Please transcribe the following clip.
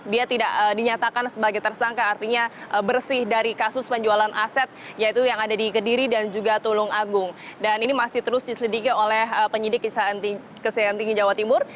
di kejaksaan tinggi jawa timur